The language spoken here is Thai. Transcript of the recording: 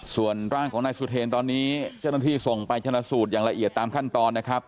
ส่วนร่างของนายสุเทรนตอนนี้เจ้าหน้าที่ส่งไปชนะสูตรอย่างละเอียดตามขั้นตอนนะครับ